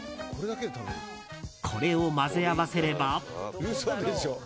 これを混ぜ合わせれば。